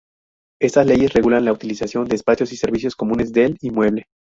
Estas Leyes regulan la utilización de espacios y servicios comunes del inmueble.